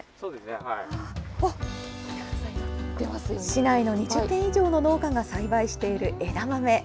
市内の２０軒以上の農家が栽培している枝豆。